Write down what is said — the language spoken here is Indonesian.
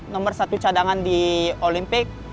nomor satu cadangan di olimpik